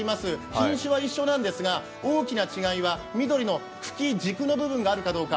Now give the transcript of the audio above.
品種は一緒なんですが、大きな違いは碧の茎、軸の部分があるかどうか。